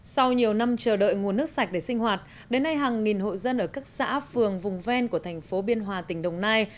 sau nhiều năm chờ đợi nguồn nước sạch để sinh hoạt đến nay hàng nghìn hội dân ở các xã phường vùng ven của thành phố biên hòa tỉnh đồng nai